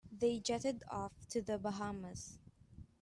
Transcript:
They jetted off to the Bahamas.